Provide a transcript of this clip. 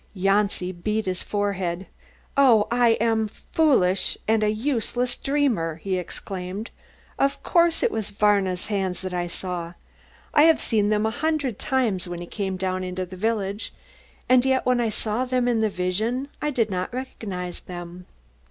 Janci beat his forehead. "Oh, I am a foolish and useless dreamer!" he exclaimed; "of course it was Varna's hands that I saw. I have seen them a hundred times when he came down into the village, and yet when I saw them in the vision I did not recognise them."